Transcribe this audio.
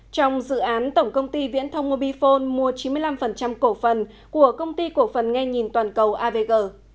trong dự án tổng công ty viễn thông mobifone mua chín mươi năm cổ phần của công ty cổ phần nghe nhìn toàn cầu avg